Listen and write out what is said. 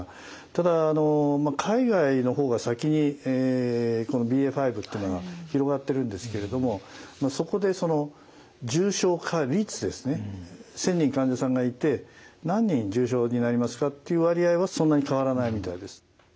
ただ海外の方が先にこのＢＡ．５っていうのが広がってるんですけれどもそこでその重症化率ですね１，０００人患者さんがいて何人重症になりますかっていう割合はそんなに変わらないみたいです。